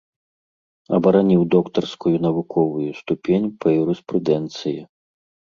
Абараніў доктарскую навуковую ступень па юрыспрудэнцыі.